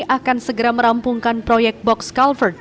akan segera merampungkan proyek box culvert